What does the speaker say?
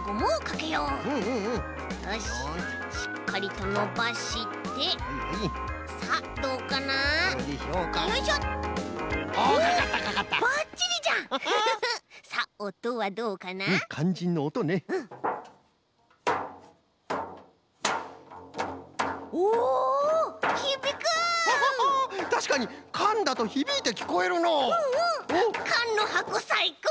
かんのはこさいこう！